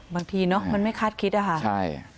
บางทีเนาะมันไม่คาดคิดอะฮะ